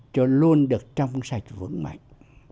cho luôn được trong sạch vững mạnh